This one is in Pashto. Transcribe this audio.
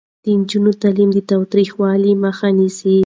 د نجونو تعلیم د تاوتریخوالي مخه نیسي.